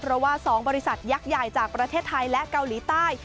เพราะว่า๒บริษัทยักษ์ใหญ่จากประเทศไทยและเกาหลีใต้